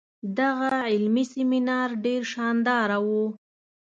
دغه علمي سیمینار ډیر شانداره وو.